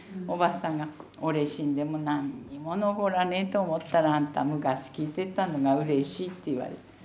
おばあさんが「俺死んでも何にも残らねえと思ったらあんた昔きいてたのがうれしい」って言われて。